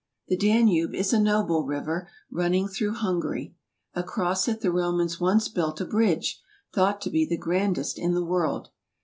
The Danube is a noble river, running through Hungary. Across it the Romans once built a bridge, thought to be the grandest in the world.